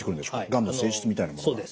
がんの性質みたいなものは。